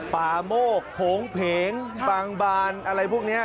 โมกโผงเพงปางบานอะไรพวกนี้